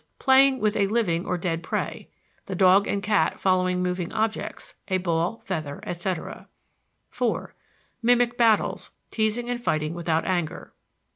playing with a living or dead prey: the dog and cat following moving objects, a ball, feather, etc. (4) Mimic battles, teasing and fighting without anger.